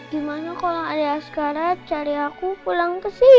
gimana kalau arihaskara cari aku pulang kesini